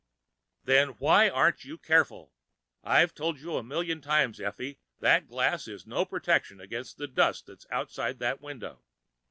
"Then why aren't you careful? I've told you a million times, Effie, that glass is no protection against the dust that's outside that window.